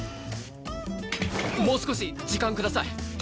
もう少し時間ください！